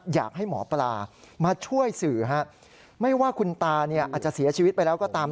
อยากให้หมอปลามาช่วยสื่อฮะไม่ว่าคุณตาเนี่ยอาจจะเสียชีวิตไปแล้วก็ตาม